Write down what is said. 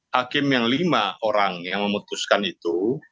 hakim yang lima orang yang memutuskan itu